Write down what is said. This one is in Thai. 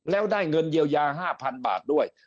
แล้วได้เงินเยียวยา๕๐๐๐บาทด้วย